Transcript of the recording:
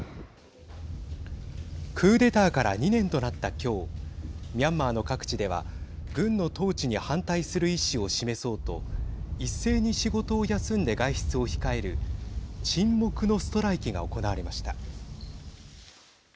クーデターから２年となった今日ミャンマーの各地では軍の統治に反対する意思を示そうと一斉に仕事を休んで外出を控える沈黙のストライキが行われました。